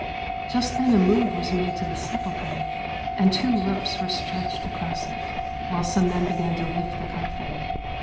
"Just then a move was made to the sepulchre, and two ropes were stretched across it, while some men began to lift the coffin.